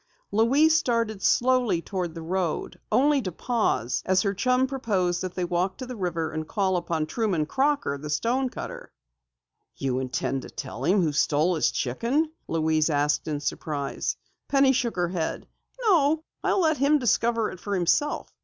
Louise started slowly toward the road, only to pause as her chum proposed that they walk to the river and call upon Truman Crocker, the stonecutter. "You intend to tell him who stole his chicken?" Louise asked in surprise. Penny shook her head. "No, I'll let him discover it for himself.